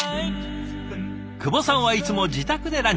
久保さんはいつも自宅でランチ。